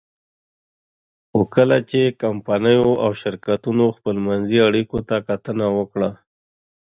خو کله چې کمپنیو او شرکتونو خپلمنځي اړیکو ته کتنه وکړه.